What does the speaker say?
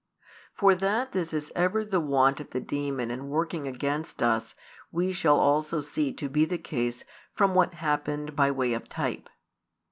For that this is ever the wont of the demon in working against us we shall also see to be the case from what happened by way of type.